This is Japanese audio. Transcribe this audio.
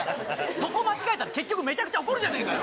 そこを間違えたら結局めちゃくちゃ怒るじゃねぇかよ。